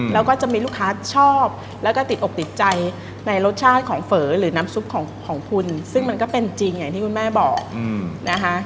แล้วก็จะมีลูกค้าชอบแล้วก็ติดอกติดใจในรสชาติของเฝอหรือน้ำซุปของคุณซึ่งมันก็เป็นจริงอย่างที่คุณแม่บอกนะคะ